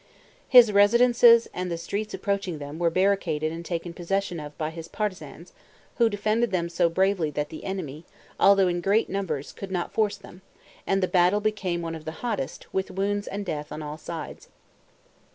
His residences, and the streets approaching them, were barricaded and taken possession of by his partisans, who defended them so bravely that the enemy, although in great numbers, could not force them, and the battle became one of the hottest, with wounds and death on all sides.